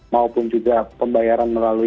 maupun juga pembayaran melalui